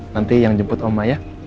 nanti yang jemput om ma ya